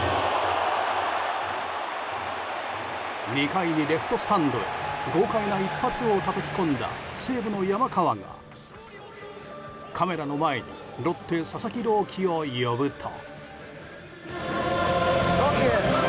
２回にレフトスタンドへ豪快な一発をたたき込んだ西武の山川が、カメラの前にロッテ、佐々木朗希を呼ぶと。